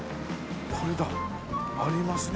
これだありますね